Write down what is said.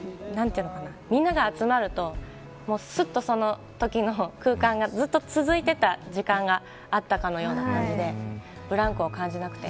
みんなが集まるとすっとそのときの空間がずっと続いてた時間があったかのような感じでブランクを感じなくて。